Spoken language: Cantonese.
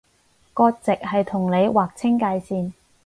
割蓆係同你劃清界線